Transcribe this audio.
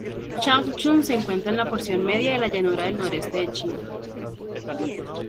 Changchun se encuentra en la porción media de la llanura del noreste de China.